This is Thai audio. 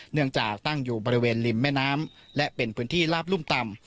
เนื่องจากตั้งอยู่บริเวณริมแม่น้ำและเป็นพื้นที่ลาบลุ่มต่ำ